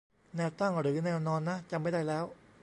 แนวตั้งหรือแนวนอนนะ จำไม่ได้แล้ว